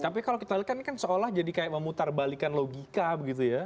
tapi kalau kita lihat kan seolah jadi kayak memutar balikan logika begitu ya